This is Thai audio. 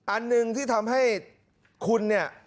อันหนึ่งที่ทำให้คุณเนี่ย